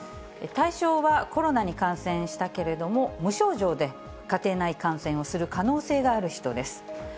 対象は、コロナに感染したけれども無症状で、家庭内感染をする可能性がある人です。